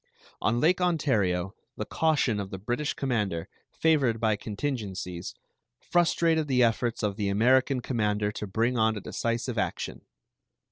On Lake Ontario the caution of the British commander, favored by contingencies, frustrated the efforts of the American commander to bring on a decisive action.